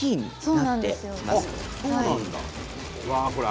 あっそうなんだ。